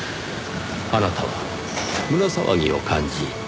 あなたは胸騒ぎを感じ